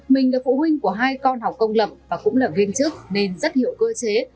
mình là phụ huynh của hai con học công lập và cũng là viên chức nên rất hiểu cơ chế